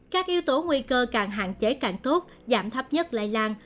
các yếu tố nguy cơ càng hạn chế càng tốt giảm thấp nhất lây lan